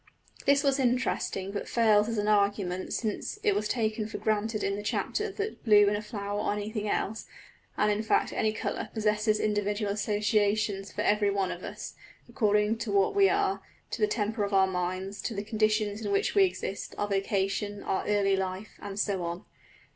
This was interesting but fails as an argument since it was taken for granted in the chapter that blue in a flower or anything else, and in fact any colour, possesses individual associations for every one of us, according to what we are, to the temper of our minds, to the conditions in which we exist, our vocation, our early life, and so on.